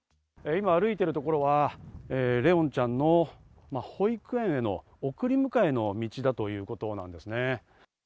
今、歩いているところは怜音ちゃんの保育園への送り迎えの道だということなんですね。